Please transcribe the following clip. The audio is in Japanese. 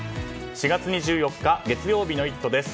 ４月２４日月曜日の「イット！」です。